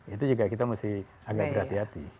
itu juga kita mesti agak berhati hati